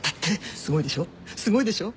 すごいでしょ？